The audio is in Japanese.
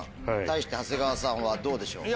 対して長谷川さんはどうでしょう？